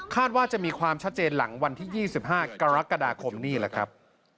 ว่าจะมีความชัดเจนหลังวันที่๒๕กรกฎาคมนี่แหละครับ